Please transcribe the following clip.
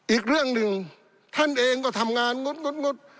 อีกเรื่องหนึ่งท่านเองก็ทำงานงด